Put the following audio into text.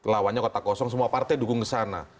lawannya kota kosong semua partai dukung kesana